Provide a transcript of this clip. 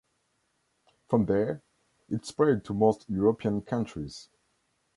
From there, it spread to most European countries.